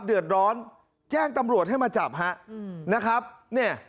เดือดร้อนแจ้งตำรวจให้มาจับฮะอืมนะครับเนี่ย